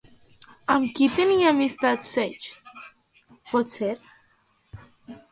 Amb qui tenia amistat Ceix, potser?